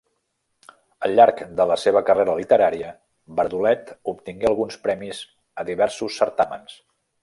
Al llarg de la seva carrera literària, Bardolet obtingué alguns premis a diversos certàmens.